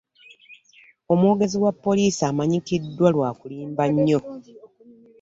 Omwogezi wa poliisi amanyikiddwa lwa kulimba nnyo.